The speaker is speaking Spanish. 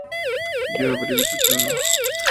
Yo habré visitado